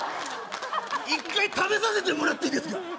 一回食べさせてもらっていいですか？